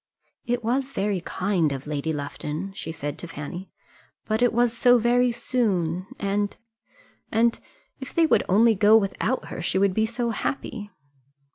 "It was very kind of Lady Lufton," she said to Fanny; "but it was so very soon, and and and if they would only go without her, she would be so happy."